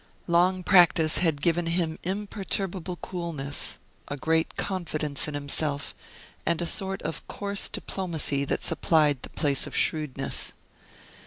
Long practise had given him imperturbable coolness, a great confidence in himself, and a sort of coarse diplomacy that supplied the place of shrewdness.